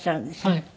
はい。